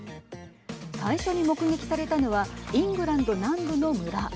最初に目撃されたのはイングランド南部の村。